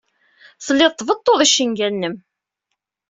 Telliḍ tbeḍḍuḍ icenga-nnem.